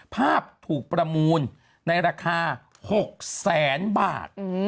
ภาพถูกประมูลในราคา๖แสนบาท